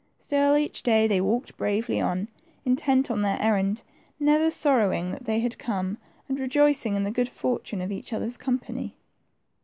Still each day they walked bravely on, intent on their errand, never sorrowing that they had come, and rejoicing in the good fortune of each other's com pany.